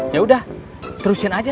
yaudah terusin aja